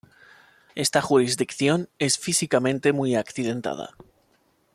Esta jurisdicción es físicamente muy accidentada.